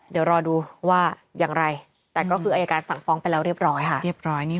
เดี๋ยวรอดูว่าอย่างไรแต่ก็คืออายการสั่งฟ้องไปแล้วเรียบร้อยค่ะ